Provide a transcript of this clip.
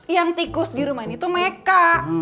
yang tikus dirumah ini tuh meka